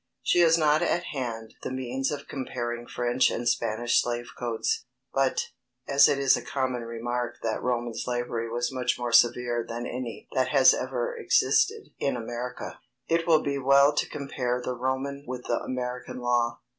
She has not at hand the means of comparing French and Spanish slave codes; but, as it is a common remark that Roman slavery was much more severe than any that has ever existed in America, it will be well to compare the Roman with the American law.